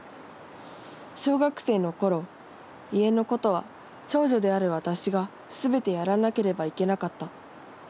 小学生の頃家のことは長女である私が全てやらなければいけなかった。